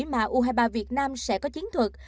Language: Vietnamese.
mà u hai mươi ba việt nam sẽ có chiến thuật